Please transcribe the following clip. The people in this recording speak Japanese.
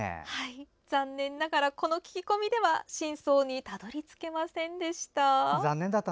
残念ながらこの聞き込みでは真相にたどり着けませんでした。